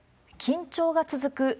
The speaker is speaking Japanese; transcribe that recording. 緊張が続く